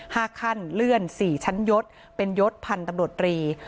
ห้าขั้นเลื่อนสี่ชั้นยศเป็นยศพันธุ์ตำรวจตรี